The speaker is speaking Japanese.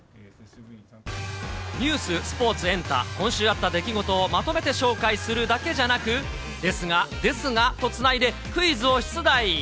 ニュース、スポーツ、エンタ、今週あった出来事をまとめて紹介するだけじゃなく、ですが、ですがとつないで、クイズを出題。